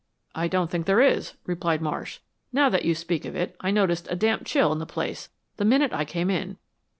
"I don't think there is," replied Marsh. "Now that you speak of it, I noticed a damp chill in the place the minute I came in.